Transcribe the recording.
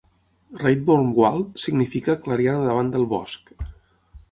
"Radevormwald" significa "clariana davant del bosc".